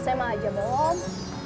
sma aja belum